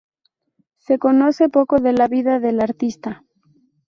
Se conoce poco de la vida del artista.